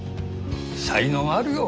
才能あるよ。